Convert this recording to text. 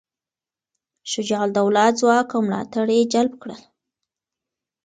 شجاع الدوله ځواک او ملاتړي جلب کړل.